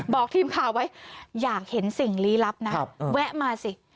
บอกทีมข่าวไว้อยากเห็นสิ่งลี้ลับนะแวะมาสิ